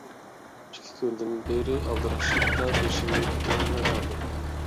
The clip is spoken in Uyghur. ئىككى كۈندىن بېرى ئالدىراشچىلىقتا بېشىمنى كۆتۈرەلمەي قالدىم.